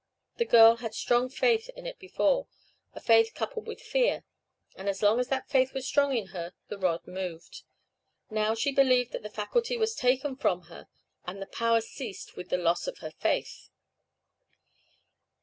The girl had strong faith in it before a faith coupled with fear; and as long as that faith was strong in her, the rod moved; now she believed that the faculty was taken from her; and the power ceased with the loss of her faith.